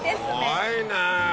すごいね。